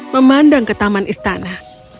memandang ke taman istana